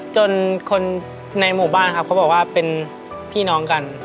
จนคนในหมู่บ้านครับเขาบอกว่าเป็นพี่น้องกัน